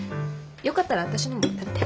よかったら私のも食べて。